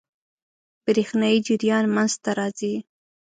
برېښنايي جریان منځ ته راځي.